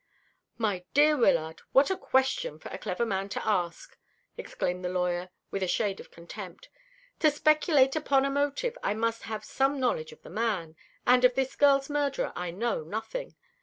"My dear Wyllard, what a question for a clever man to ask!" exclaimed the lawyer, with a shade of contempt. "To speculate upon the motive I must have some knowledge of the man, and of this girl's murderer I know nothing.